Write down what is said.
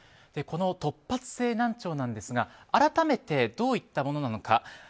この突発性難聴なんですが改めてどういったものなのか。